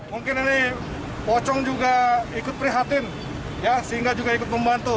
mungkin ini pocong juga ikut prihatin sehingga juga ikut membantu